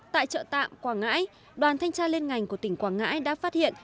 tại chợ tạm quảng ngãi đoàn thanh tra liên ngành của tỉnh quảng ngãi đã phát hiện